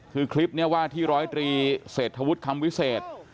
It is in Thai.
คือคลิปนี้ว่าที่ร้อยตรีเศรษฐวุฒิคำวิเศษ